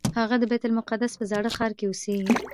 هغه د بیت المقدس په زاړه ښار کې اوسېږي.